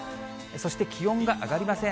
そして気温が上がりません。